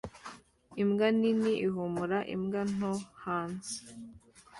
Imbwa nini ihumura imbwa nto hanze